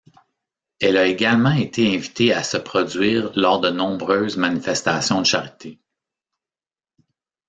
Elle a également été invitée à se produire lors de nombreuses manifestations de charité.